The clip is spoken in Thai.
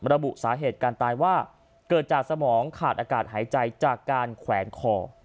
ระบุสาเหตุการตายว่าเกิดจากสมองขาดอากาศหายใจจากการแขวนคอ